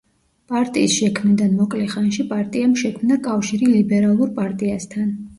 პარტიის შექმნიდან მოკლე ხანში, პარტიამ შექმნა კავშირი ლიბერალურ პარტიასთან.